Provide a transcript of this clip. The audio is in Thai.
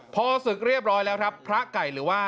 พอศึกเรียบร้อยแล้วครับพระไก่หรือว่า